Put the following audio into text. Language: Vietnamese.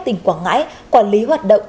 tỉnh quảng ngãi quản lý hoạt động